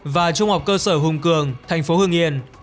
và trung học cơ sở hùng cường thành phố hương yên